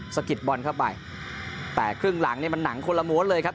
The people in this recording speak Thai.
สะกิดบอลเข้าไปแต่ครึ่งหลังเนี่ยมันหนังคนละม้วนเลยครับ